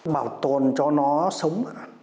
bảo tồn cho nó sống